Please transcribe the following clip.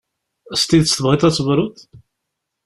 S tidet tebɣiḍ ad tebruḍ?